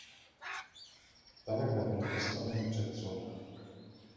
Tanaka byl postaven před soud.